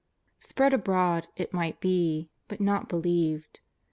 '' Spread abroad," it might be, but not believed.